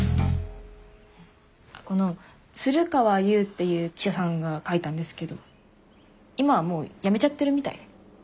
この鶴川ゆうっていう記者さんが書いたんですけど今はもうやめちゃってるみたいで。